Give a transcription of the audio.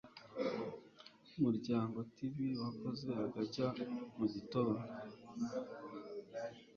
UmuryangoTV wakoze agashya mugitondo